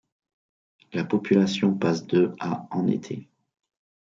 La population passe de à en été.